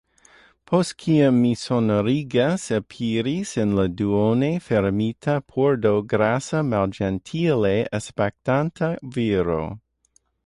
Post kiam mi sonorigis, aperis en la duone fermita pordo grasa malĝentile aspektanta viro.